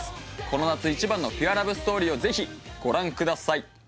この夏一番のピュアラブストーリーをぜひご覧ください